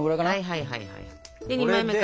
はいはいはいはい。